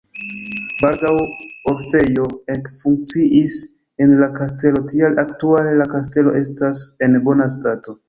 Baldaŭ orfejo ekfunkciis en la kastelo, tial aktuale la kastelo estas en bona stato.